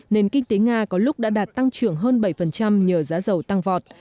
nền kinh tế nga có lúc đã đạt tăng trưởng hơn bảy nhờ giá dầu tăng vọt